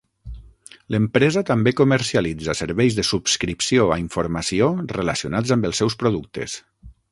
L'empresa també comercialitza serveis de subscripció a informació relacionats amb els seus productes.